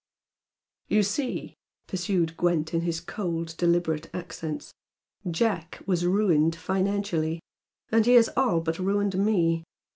"You see," pursued Gwent, in his cold, deliberate accents, "Jack was ruined financially. And he has all but ruined ME.